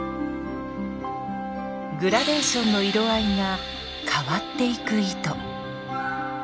グラデーションの色合いが変わっていく糸。